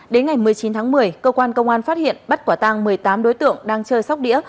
đến ngày một mươi chín tháng một mươi cơ quan công an phát hiện bắt quả tăng một mươi tám đối tượng đang chơi sóc đĩa